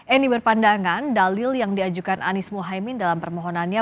eni berpandangan dalil yang diajukan anies mohaimin dalam permohonannya